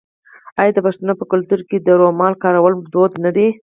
آیا د پښتنو په کلتور کې د رومال کارول دود نه دی؟